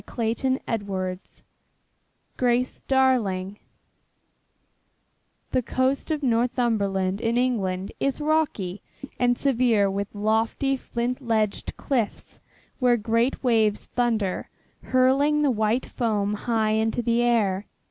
CHAPTER XXIV GRACE DARLING The coast of Northumberland in England is rocky and severe with lofty flint ledged cliffs where great waves thunder, hurling the white foam high into the air.